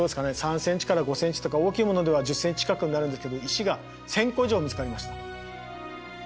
３ｃｍから５ｃｍとか大きいものでは１０ｃｍ近くになるんですけど石が１，０００個以上見つかりました。